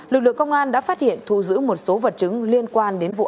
lực lượng công an đã phát hiện thu giữ một số vật chứng liên quan đến vụ án